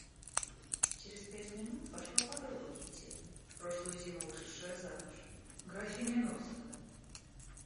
Через пять минут вошла подруга Кити, прошлую зиму вышедшая замуж, графиня Нордстон.